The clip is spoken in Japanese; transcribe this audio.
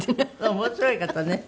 面白い方ね。